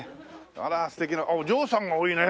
あら素敵なお嬢さんが多いね。